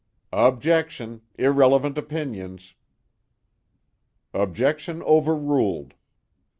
"Objection! Irrelevant opinions." "Objection overruled."